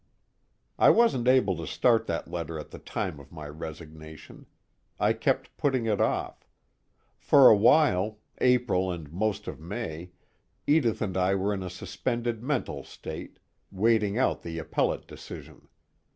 I wasn't able to start that letter at the time of my resignation. I kept putting it off. For a while April and most of May Edith and I were in a suspended mental state, waiting out the appellate decision.